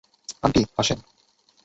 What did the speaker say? Aunty, Hasen.